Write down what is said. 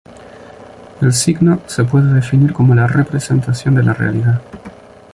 El signo se puede definir como la representación de la realidad.